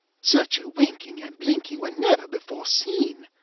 Such a winking and blinking were never before seen.